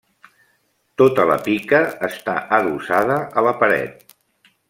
Tota la pica està adossada a la paret.